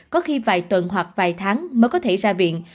có khi vài tuần hoặc vài tháng mới có thể ra viện